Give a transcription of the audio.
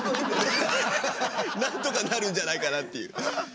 なんとかなるんじゃないかなっていう。